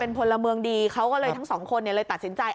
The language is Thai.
พลเมืองดีเขาก็เลยทั้งสองคนเลยตัดสินใจ